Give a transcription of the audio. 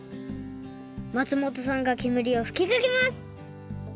松本さんがけむりをふきかけます。